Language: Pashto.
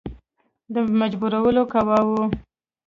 د مجبورولو قواوي.